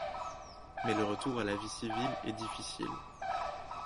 Mais le retour à la vie civile est difficile.